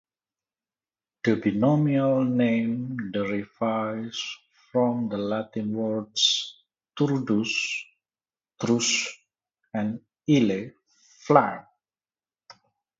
The binomial name derives from the Latin words "turdus", "thrush", and "ile" "flank".